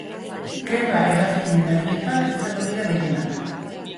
Gerra-hegazkinen ariketak izango dira gehienak.